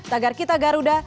tagar kita garuda